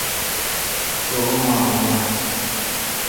تو اُب مے° این اں؟